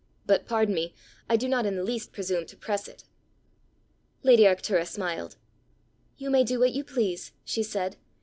But, pardon me, I do not in the least presume to press it." Lady Arctura smiled. "You may do what you please," she said.